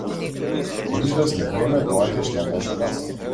По извесно време доаѓаш на лош глас.